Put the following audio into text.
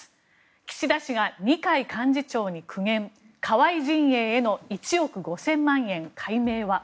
岸田氏が二階幹事長に苦言河井陣営への１億５０００万円解明は？